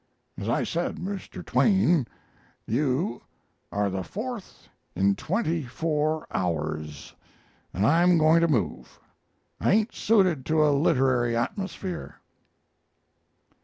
"As I said, Mr. Twain, you are the fourth in twenty four hours and I'm going to move; I ain't suited to a Littery atmosphere."